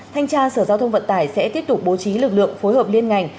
thanh tra sở giao thông vận tải sẽ tiếp tục bố trí lực lượng phối hợp liên ngành